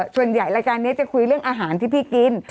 รายการนี้จะคุยเรื่องอาหารที่พี่กิน